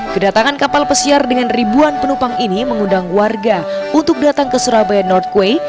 kedatangan kapal pesiar dengan ribuan penumpang ini mengundang warga untuk datang ke surabaya northway